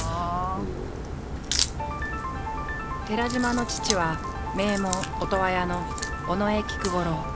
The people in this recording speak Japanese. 寺島の父は名門音羽屋の尾上菊五郎。